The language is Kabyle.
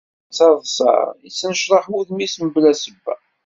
Yettaḍsa, yettnecraḥ wudem-is mebla sebba.